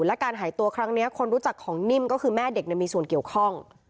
และการหายตัวครั้งนี้คนรู้จักของนิ่มก็คือแม่เด็กมีส่วนเกี่ยวข้อง